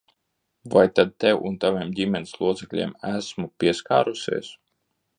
Vai tad tev un taviem ģimenes locekļiem esmu pieskārusies?